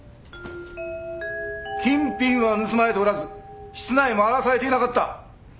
金品は盗まれておらず室内も荒らされていなかった。